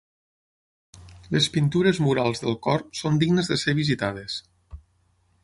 Les pintures murals del cor són dignes de ser visitades.